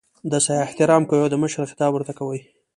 د سیاح احترام کوي او د مشر خطاب ورته کوي.